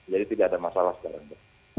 jadi tidak ada masalah sekarang